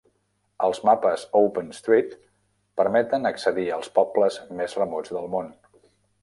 Els mapes Open street permeten accedir als pobles més remots del món.